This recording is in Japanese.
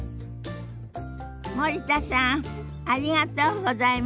森田さんありがとうございました。